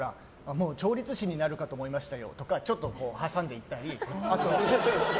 調律士になるかと思いましたよとかちょっと挟んでいったり。